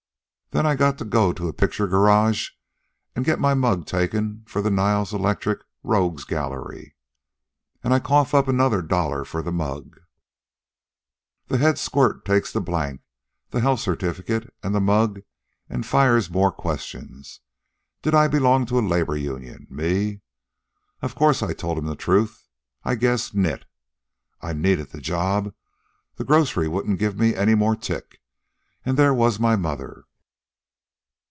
Then I got to go to a picture garage an' get my mug taken for the Niles Electric rogues' gallery. And I cough up another dollar for the mug. The Head Squirt takes the blank, the health certificate, and the mug, an' fires more questions. DID I BELONG TO A LABOR UNION? ME? Of course I told'm the truth I guess nit. I needed the job. The grocery wouldn't give me any more tick, and there was my mother.